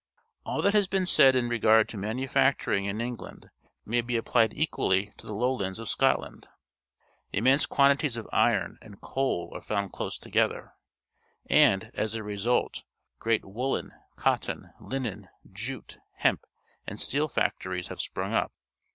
All that has been said in regard to manu facturing in England may be appUed equally to the Lowlands of Scot^ land. Immense quanti ties of iron and coal are found close together, and, as a result, great woollen, cotton, linen, jute, hemp, and steel factories have sprung up.